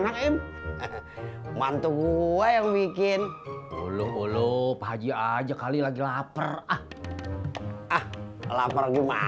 enakin mantu gua yang bikin sepuluh sepuluh aja kali lagi lapar ah ah lapar gimana